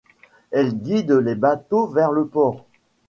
Elle guide les bateaux vers le port.